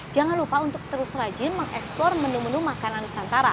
jangan lupa untuk terus rajin mengeksplor menu menu makanan nusantara